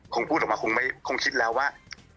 คงพูดออกมาคงคิดแล้วว่า